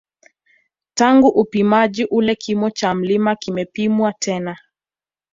Tangu upimaji ule kimo cha mlima kimepimwa tena